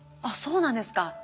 あっそうなんですか。